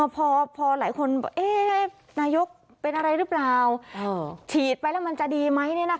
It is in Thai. พอหลายคนบอกนายกเป็นอะไรหรือเปล่าฉีดไปแล้วมันจะดีไหม